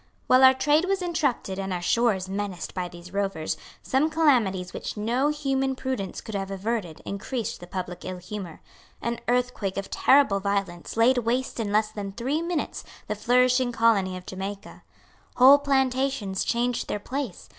While our trade was interrupted and our shores menaced by these rovers, some calamities which no human prudence could have averted increased the public ill humour. An earthquake of terrible violence laid waste in less than three minutes the flourishing colony of Jamaica. Whole plantations changed their place.